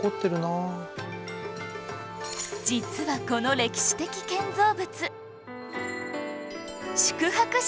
実はこの歴史的建造物